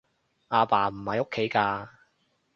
阿爸唔喺屋企㗎